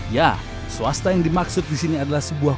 ya swasta yang dimaksud di sini adalah sebuah